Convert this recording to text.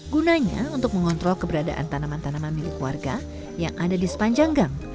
gunanya untuk mengontrol keberadaan tanaman tanaman milik warga yang ada di sepanjang gang